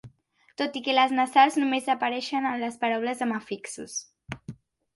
Tot i que les nasals només apareixen en les paraules amb afixos.